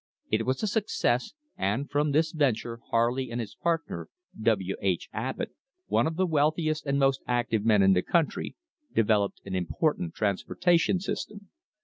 It was a success, and from this venture Harley and his partner, W. H. Abbott, one of the wealthiest and most active men in the country, developed an important trans portation system.